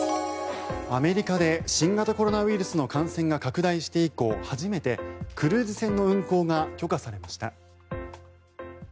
アメリカで新型コロナウイルスの感染が拡大して以降初めてクルーズ船の運航が許可されました。